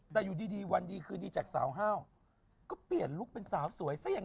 แต่วันดีคิดดีจากสาวเห้าก็เปียนลุคเป็นสาวสวย